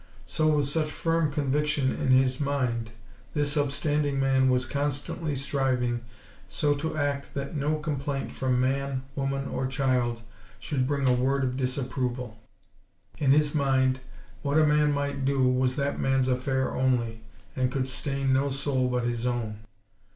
So, with such firm convictions in his mind, this upstanding man was constantly striving so to act that no complaint from man, woman or child should bring a word of disapproval. In his mind, what a man might do was that man's affair only and could stain no Soul but his own.